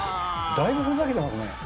「だいぶふざけてますね」